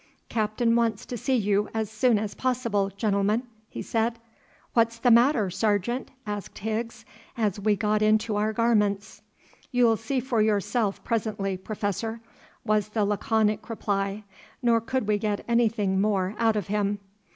"Captain wants to see you as soon as possible, gentlemen," he said. "What's the matter, Sergeant?" asked Higgs, as we got into our garments. "You'll see for yourself presently, Professor," was the laconic reply, nor could we get anything more out of him.